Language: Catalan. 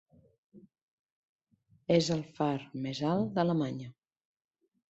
És el far més alt d'Alemanya.